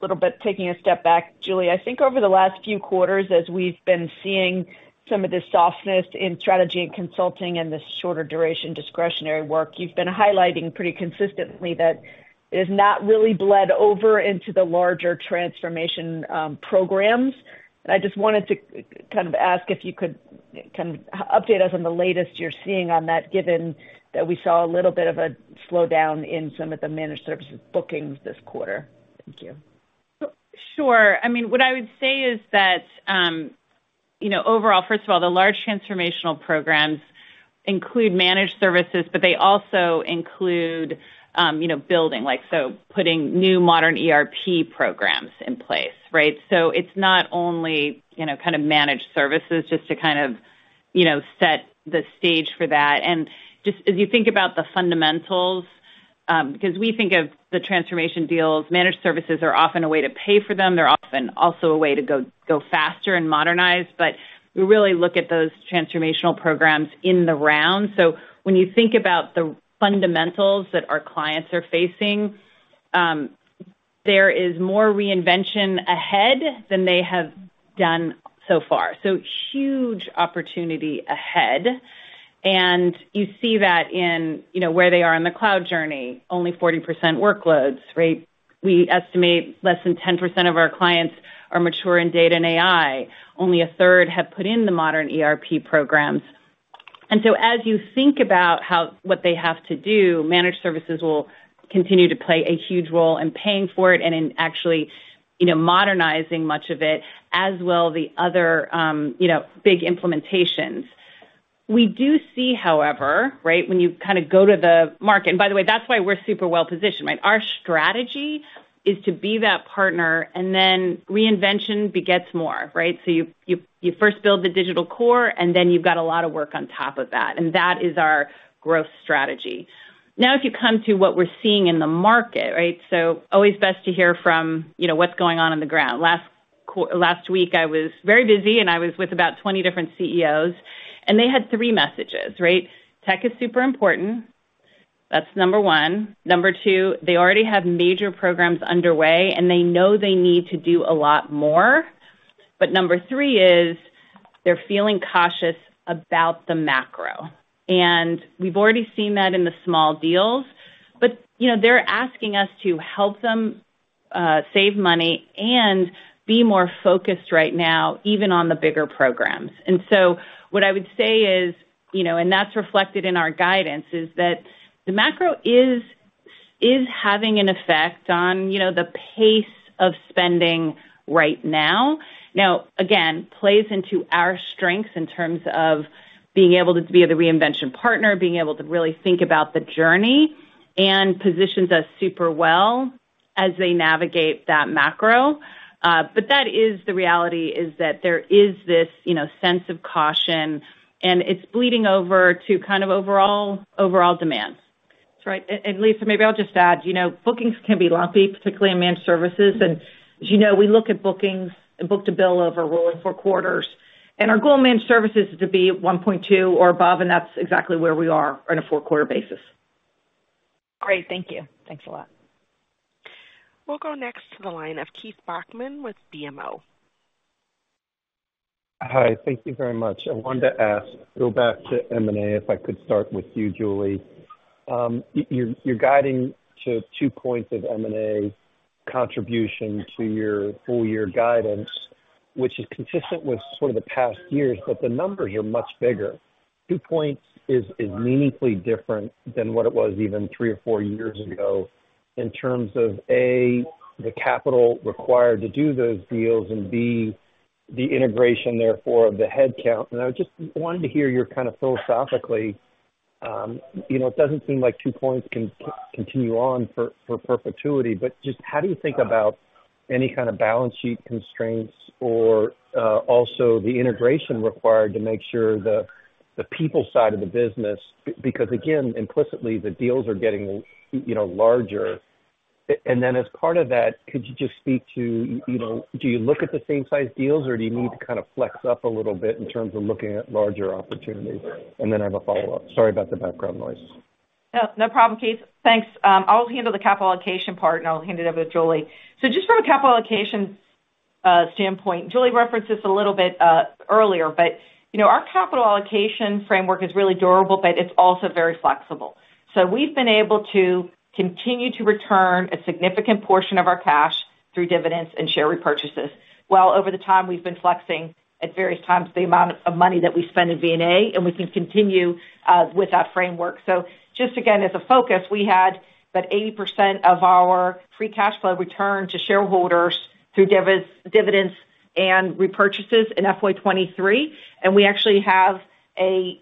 little bit taking a step back, Julie. I think over the last few quarters, as we've been seeing some of the softness in strategy and consulting and the shorter duration discretionary work, you've been highlighting pretty consistently that it has not really bled over into the larger transformation programs. I just wanted to kind of ask if you could kind of update us on the latest you're seeing on that, given that we saw a little bit of a slowdown in some of the managed services bookings this quarter. Thank you. Sure. I mean, what I would say is that, you know, overall, first of all, the large transformational programs include managed services, but they also include, you know, building, like, so putting new modern ERP programs in place, right? So it's not only, you know, kind of managed services just to kind of, you know, set the stage for that. And just as you think about the fundamentals, because we think of the transformation deals, managed services are often a way to pay for them. They're often also a way to go faster and modernize. But we really look at those transformational programs in the round. So when you think about the fundamentals that our clients are facing, there is more reinvention ahead than they have done so far. So huge opportunity ahead. And you see that in, you know, where they are in the cloud journey, only 40% workloads, right? We estimate less than 10% of our clients are mature in data and AI. Only 1/3 have put in the modern ERP programs. And so as you think about what they have to do, managed services will continue to play a huge role in paying for it and in actually, you know, modernizing much of it, as well, the other, you know, big implementations. We do see, however, right, when you kind of go to the market. And by the way, that's why we're super well positioned, right? Our strategy is to be that partner, and then reinvention begets more, right? So you first build the digital core, and then you've got a lot of work on top of that, and that is our growth strategy. Now, if you come to what we're seeing in the market, right? So always best to hear from, you know, what's going on on the ground. Last week, I was very busy, and I was with about 20 different CEOs, and they had three messages, right? Tech is super important. That's number one. Number two, they already have major programs underway, and they know they need to do a lot more. But number three is they're feeling cautious about the macro, and we've already seen that in the small deals, but, you know, they're asking us to help them save money and be more focused right now, even on the bigger programs. And so what I would say is, you know, and that's reflected in our guidance, is that the macro is having an effect on, you know, the pace of spending right now. Now, again, plays into our strengths in terms of being able to be the reinvention partner, being able to really think about the journey and positions us super well as they navigate that macro. But that is the reality, that there is this, you know, sense of caution, and it's bleeding over to kind of overall demand. That's right. And, and Lisa, maybe I'll just add, you know, bookings can be lumpy, particularly in managed services. And as you know, we look at bookings and book-to-bill over rolling four quarters, and our goal in managed services is to be at 1.2 or above, and that's exactly where we are on a four-quarter basis. Great. Thank you. Thanks a lot. We'll go next to the line of Keith Bachman with BMO. Hi, thank you very much. I wanted to ask, go back to M&A, if I could start with you, Julie. You're guiding to two points of M&A contribution to your full year guidance, which is consistent with sort of the past years, but the numbers are much bigger. Two points is meaningfully different than what it was even three or four years ago in terms of, A, the capital required to do those deals, and B, the integration, therefore, of the headcount. And I just wanted to hear your kind of philosophically, you know, it doesn't seem like two points can continue on for perpetuity, but just how do you think about any kind of balance sheet constraints or, also the integration required to make sure the people side of the business? Because, again, implicitly, the deals are getting, you know, larger. And then as part of that, could you just speak to, you know, do you look at the same size deals, or do you need to kind of flex up a little bit in terms of looking at larger opportunities? And then I have a follow-up. Sorry about the background noise. No, no problem, Keith. Thanks. I'll handle the capital allocation part, and I'll hand it over to Julie. So just from a capital allocation standpoint, Julie referenced this a little bit earlier, but, you know, our capital allocation framework is really durable, but it's also very flexible. So we've been able to continue to return a significant portion of our cash through dividends and share repurchases. Well, over the time, we've been flexing at various times, the amount of money that we spend in V&A, and we can continue with that framework. So just again, as a focus, we had about 80% of our free cash flow return to shareholders through dividends and repurchases in FY 2023, and we actually have a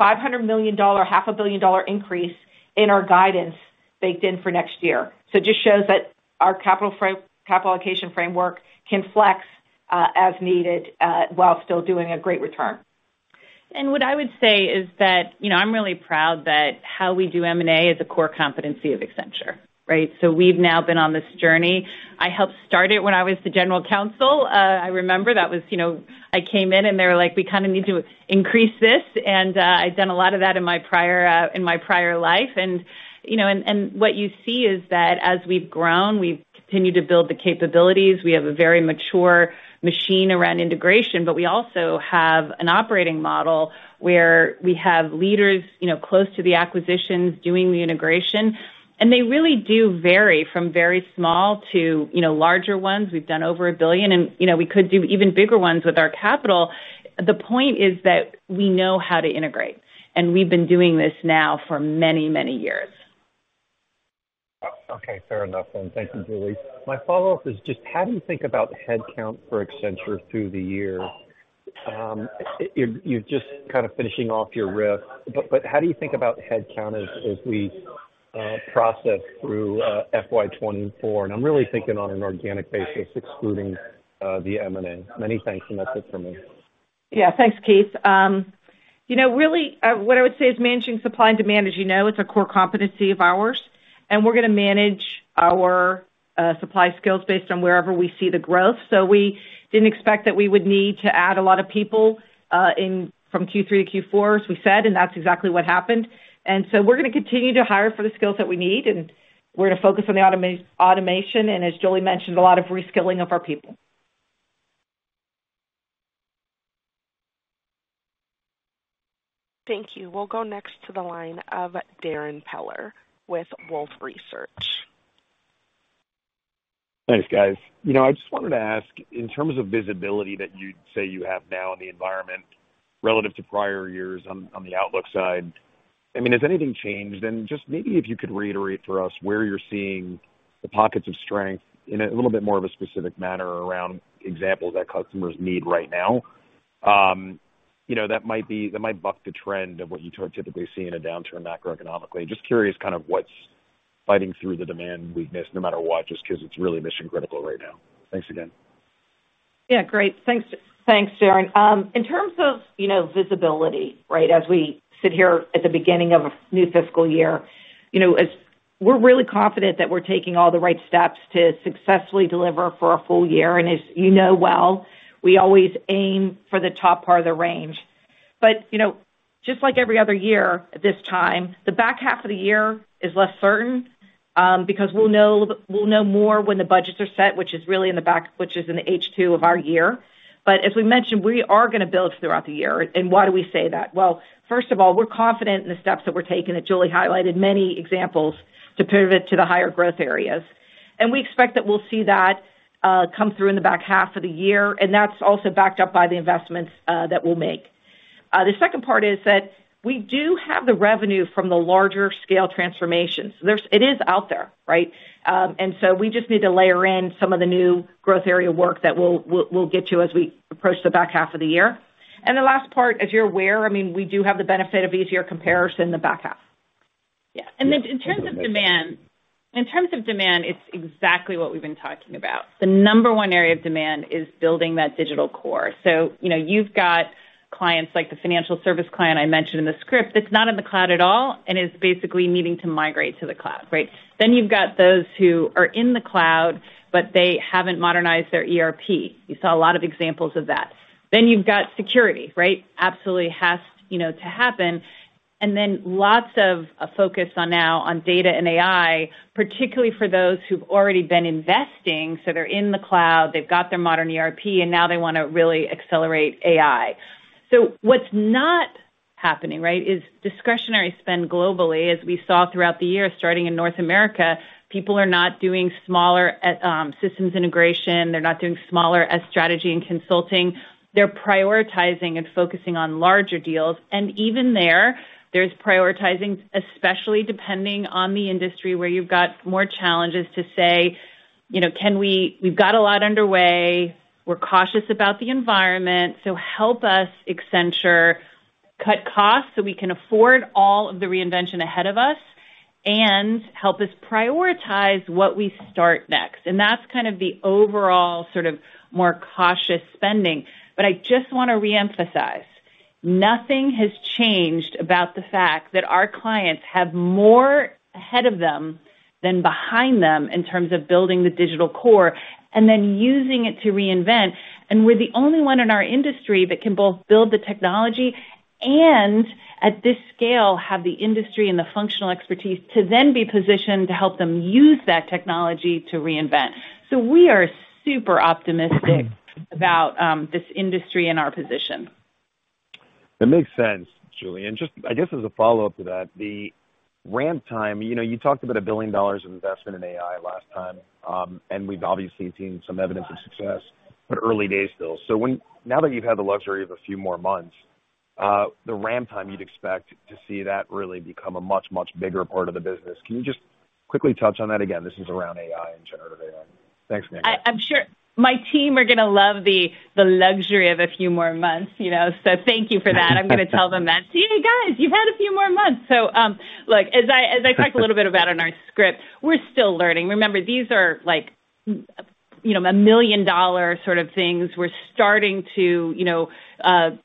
$500 million, half a billion dollar increase in our guidance baked in for next year. So it just shows that our capital allocation framework can flex, as needed, while still doing a great return. What I would say is that, you know, I'm really proud that how we do M&A is a core competency of Accenture, right? So we've now been on this journey. I helped start it when I was the general counsel. I remember that was, you know, I came in and they were like, "We kind of need to increase this," and I'd done a lot of that in my prior life. You know, what you see is that as we've grown, we've continued to build the capabilities. We have a very mature machine around integration, but we also have an operating model where we have leaders, you know, close to the acquisitions, doing the integration. They really do vary from very small to, you know, larger ones. We've done over $1 billion, and, you know, we could do even bigger ones with our capital. The point is that we know how to integrate, and we've been doing this now for many, many years. Okay, fair enough, and thank you, Julie. My follow-up is just: how do you think about headcount for Accenture through the year? You're just kind of finishing off your RIF, but, but how do you think about headcount as, as we process through FY 2024? And I'm really thinking on an organic basis, excluding the M&A. Many thanks, and that's it for me. Yeah, thanks, Keith. You know, really, what I would say is managing supply and demand, as you know, it's a core competency of ours, and we're going to manage our supply skills based on wherever we see the growth. So we didn't expect that we would need to add a lot of people in from Q3 to Q4, as we said, and that's exactly what happened. And so we're going to continue to hire for the skills that we need, and we're going to focus on the automation, and as Julie mentioned, a lot of reskilling of our people. Thank you. We'll go next to the line of Darren Peller with Wolfe Research. Thanks, guys. You know, I just wanted to ask, in terms of visibility that you'd say you have now in the environment relative to prior years on the outlook side, I mean, has anything changed? Just maybe if you could reiterate for us where you're seeing the pockets of strength in a little bit more of a specific manner around examples that customers need right now. You know, that might buck the trend of what you typically see in a downturn macroeconomically. Just curious, kind of what's fighting through the demand we've missed, no matter what, just 'cause it's really mission-critical right now. Thanks again. Yeah, great. Thanks, thanks, Darren. In terms of, you know, visibility, right, as we sit here at the beginning of a new fiscal year, you know, we're really confident that we're taking all the right steps to successfully deliver for a full year. As you know well, we always aim for the top part of the range. But, you know, just like every other year, at this time, the back half of the year is less certain, because we'll know more when the budgets are set, which is really in the back, which is in the H2 of our year. But as we mentioned, we are going to build throughout the year. And why do we say that? Well, first of all, we're confident in the steps that we're taking, that Julie highlighted many examples to pivot to the higher growth areas. We expect that we'll see that come through in the back half of the year, and that's also backed up by the investments that we'll make. The second part is that we do have the revenue from the larger scale transformations. It is out there, right? And so we just need to layer in some of the new growth area work that we'll get to as we approach the back half of the year. And the last part, as you're aware, I mean, we do have the benefit of easier comparison in the back half. Yeah. And then in terms of demand, in terms of demand, it's exactly what we've been talking about. The number one area of demand is building that digital core. So you know, you've got clients like the financial service client I mentioned in the script, that's not in the cloud at all, and is basically needing to migrate to the cloud, right? Then you've got those who are in the cloud, but they haven't modernized their ERP. You saw a lot of examples of that. Then you've got security, right? Absolutely has, you know, to happen. And then lots of a focus on now on data and AI, particularly for those who've already been investing. So they're in the cloud, they've got their modern ERP, and now they want to really accelerate AI. So what's not happening, right, is discretionary spend globally, as we saw throughout the year, starting in North America, people are not doing smaller at, systems integration. They're not doing smaller at strategy and consulting. They're prioritizing and focusing on larger deals, and even there, there's prioritizing, especially depending on the industry, where you've got more challenges to say, you know, "Can we- we've got a lot underway. We're cautious about the environment, so help us, Accenture, cut costs so we can afford all of the reinvention ahead of us, and help us prioritize what we start next." And that's kind of the overall sort of more cautious spending. But I just want to reemphasize, nothing has changed about the fact that our clients have more ahead of them than behind them in terms of building the digital core and then using it to reinvent. We're the only one in our industry that can both build the technology and, at this scale, have the industry and the functional expertise to then be positioned to help them use that technology to reinvent. So we are super optimistic about this industry and our position. That makes sense, Julie. And just, I guess as a follow-up to that, the ramp time, you know, you talked about $1 billion of investment in AI last time, and we've obviously seen some evidence of success, but early days still. So now that you've had the luxury of a few more months, the ramp time you'd expect to see that really become a much, much bigger part of the business, can you just quickly touch on that? Again, this is around AI and Generative AI. Thanks, again. I'm sure my team are gonna love the luxury of a few more months, you know, so thank you for that. I'm gonna tell them that. "Hey, guys, you've had a few more months." So, look, as I talked a little bit about in our script, we're still learning. Remember, these are like, you know, a million-dollar sort of things. We're starting to, you know,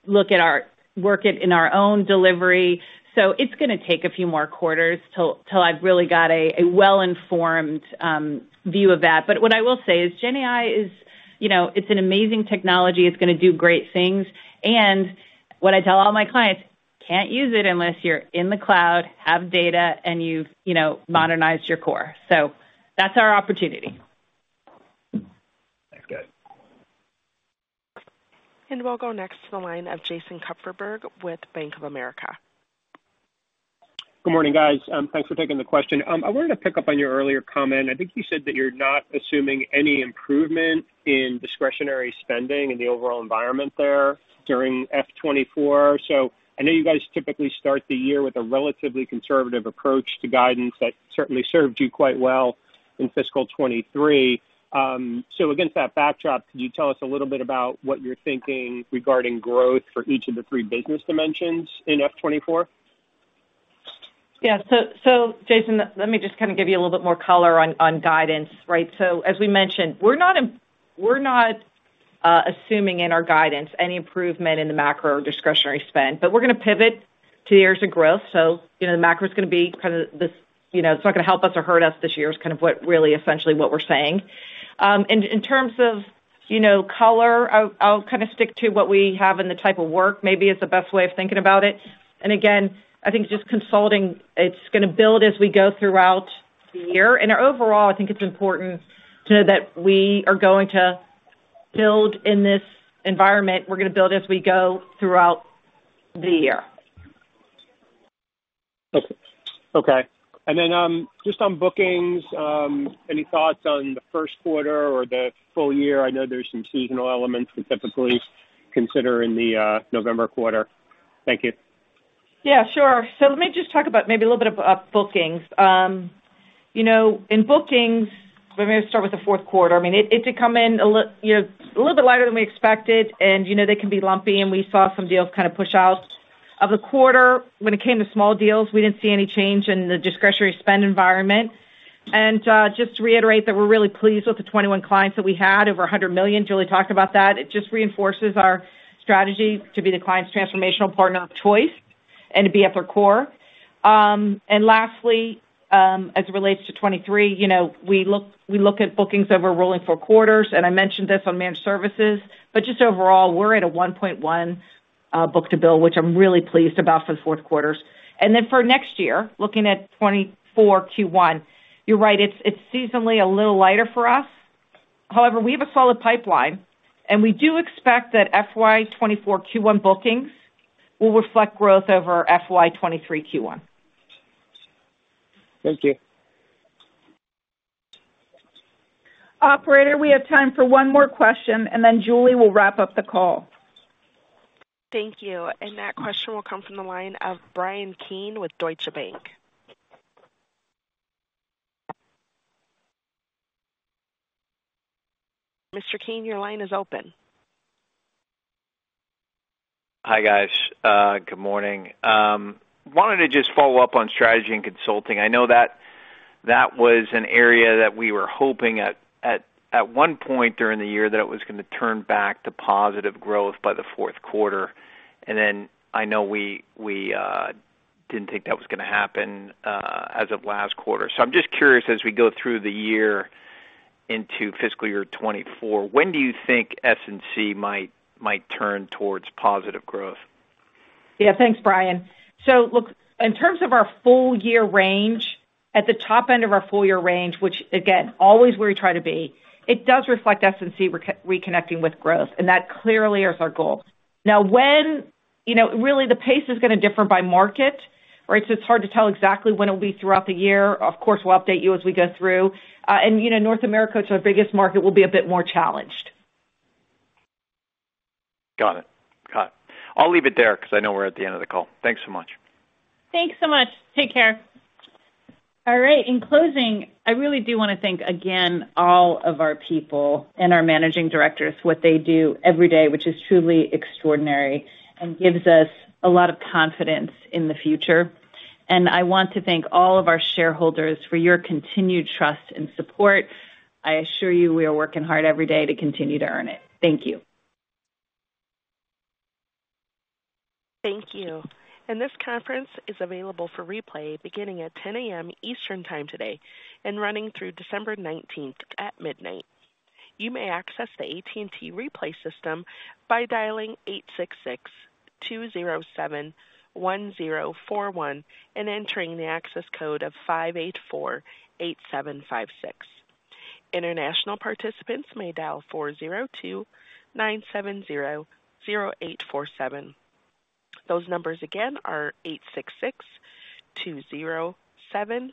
look at our... Work it in our own delivery. So it's gonna take a few more quarters till I've really got a well-informed view of that. But what I will say is GenAI is, you know, it's an amazing technology. It's gonna do great things. And what I tell all my clients, can't use it unless you're in the cloud, have data, and you've, you know, modernized your core. So that's our opportunity. Thank you. We'll go next to the line of Jason Kupferberg with Bank of America. Good morning, guys. Thanks for taking the question. I wanted to pick up on your earlier comment. I think you said that you're not assuming any improvement in discretionary spending in the overall environment there during FY 2024. So I know you guys typically start the year with a relatively conservative approach to guidance. That certainly served you quite well in fiscal 2023. So against that backdrop, could you tell us a little bit about what you're thinking regarding growth for each of the three business dimensions in FY 2024? Yeah. So, Jason, let me just kind of give you a little bit more color on guidance, right? So as we mentioned, we're not assuming in our guidance any improvement in the macro discretionary spend, but we're gonna pivot to years of growth. So, you know, the macro is gonna be kind of this, you know, it's not gonna help us or hurt us this year, is kind of what really essentially what we're saying. In terms of, you know, color, I'll kind of stick to what we have in the type of work, maybe is the best way of thinking about it. And again, I think it's important to know that we are going to build in this environment. We're gonna build as we go throughout the year. Okay. Okay, and then, just on bookings, any thoughts on the first quarter or the full year? I know there's some seasonal elements we typically consider in the, November quarter. Thank you. Yeah, sure. So let me just talk about maybe a little bit about bookings. You know, in bookings, let me start with the fourth quarter. I mean, it did come in a little bit lighter than we expected, and you know, they can be lumpy, and we saw some deals kind of push out of the quarter. When it came to small deals, we didn't see any change in the discretionary spend environment. And just to reiterate that we're really pleased with the 21 clients that we had, over $100 million. Julie talked about that. It just reinforces our strategy to be the client's transformational partner of choice and to be at their core. And lastly, as it relates to 2023, you know, we look at bookings over rolling four quarters, and I mentioned this on managed services, but just overall, we're at a 1.1 book-to-bill, which I'm really pleased about for the fourth quarters. And then for next year, looking at 2024 Q1, you're right, it's seasonally a little lighter for us. However, we have a solid pipeline, and we do expect that FY 2024 Q1 bookings will reflect growth over FY 2023 Q1. Thank you. Operator, we have time for one more question, and then Julie will wrap up the call. Thank you. And that question will come from the line of Bryan Keane with Deutsche Bank. Mr. Keane, your line is open. Hi, guys, good morning. Wanted to just follow up on strategy and consulting. I know that that was an area that we were hoping at one point during the year, that it was gonna turn back to positive growth by the fourth quarter. And then I know we didn't think that was gonna happen, as of last quarter. So I'm just curious, as we go through the year into fiscal year 2024, when do you think S&C might turn towards positive growth? Yeah, thanks, Bryan. So look, in terms of our full year range, at the top end of our full year range, which again, always where we try to be, it does reflect S&C reconnecting with growth, and that clearly is our goal. Now, when... You know, really, the pace is gonna differ by market, right? So it's hard to tell exactly when it'll be throughout the year. Of course, we'll update you as we go through. And you know, North America, it's our biggest market, will be a bit more challenged. Got it. Got it. I'll leave it there because I know we're at the end of the call. Thanks so much. Thanks so much. Take care. All right. In closing, I really do want to thank again all of our people and our managing directors, what they do every day, which is truly extraordinary and gives us a lot of confidence in the future. And I want to thank all of our shareholders for your continued trust and support. I assure you, we are working hard every day to continue to earn it. Thank you. Thank you. This conference is available for replay beginning at 10 A.M. Eastern time today and running through December 19th at midnight. You may access the AT&T Replay System by dialing 866-207-1041 and entering the access code of 584-8756. International participants may dial 402-970-0847. Those numbers again are 866-207-1041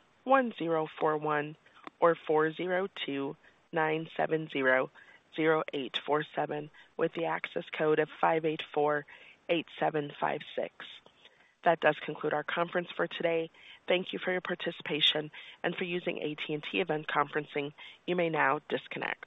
or 402-970-0847, with the access code of 584-8756. That does conclude our conference for today. Thank you for your participation and for using AT&T event conferencing. You may now disconnect.